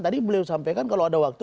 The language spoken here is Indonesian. tadi beliau sampaikan kalau ada waktu